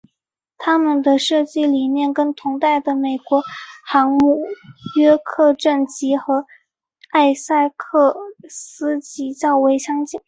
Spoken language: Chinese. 它们的设计理念跟同代的美国航母约克镇级和艾塞克斯级较为相近。